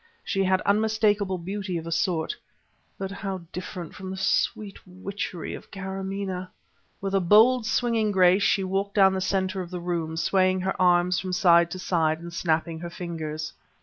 She had unmistakable beauty of a sort, but how different from the sweet witchery of Kâramaneh! With a bold, swinging grace she walked down the center of the room, swaying her arms from side to side and snapping her fingers.